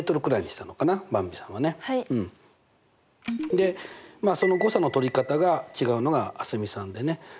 でまあその誤差の取り方が違うのが蒼澄さんでね。